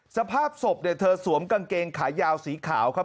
สภาพศพเนี่ยเธอสวมกางเกงขายาวสีขาวครับ